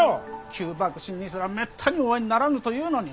旧幕臣にすらめったにお会いにならぬというのに。